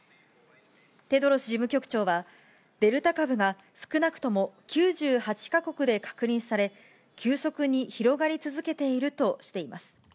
テドロス事務局長は、デルタ株が少なくとも９８か国で確認され、急速に広がり続けているとしています。